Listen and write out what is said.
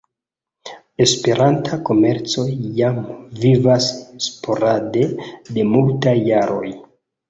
Esperanta komerco jam vivas sporade de multaj jaroj.